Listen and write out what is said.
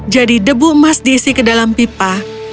jadi debu emas diisi ke dalam pipa